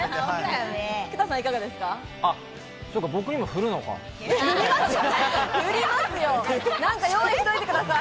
僕にも振るのか。